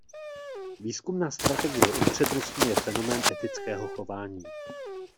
Výzkumná strategie upřednostňuje fenomén etického chování.